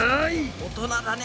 大人だね。